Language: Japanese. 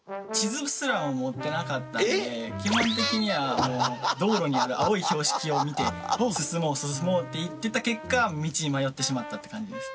基本的には道路にある青い標識を見て進もう進もうって行ってた結果道に迷ってしまったって感じです。